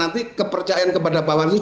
nanti kepercayaan kepada bawang itu